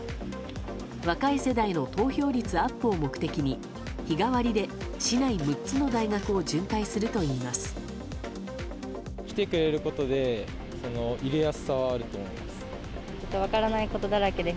若い世代の投票率アップを目的に日替わりで市内６つの大学を巡回するといいます。